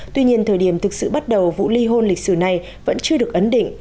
tuy nhiên thời điểm thực sự bắt đầu vụ ly hôn lịch sử này vẫn chưa được ấn định